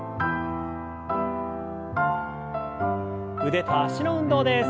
腕と脚の運動です。